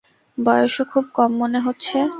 বয়সও খুব কম মনে হচ্ছে।